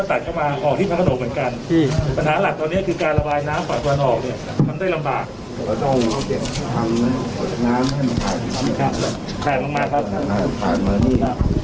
ตรงนี้ผ่านยากครับสุดท้ายต้องพาเข้ามาตรงนี้